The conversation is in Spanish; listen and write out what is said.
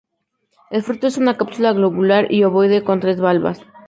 El fruto es una cápsula globular y ovoide con tres valvas.